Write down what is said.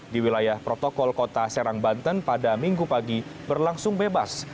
di wilayah protokol kota serang banten pada minggu pagi berlangsung bebas